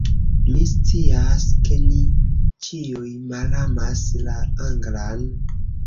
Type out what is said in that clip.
Mi scias, ke ni ĉiuj malamas la anglan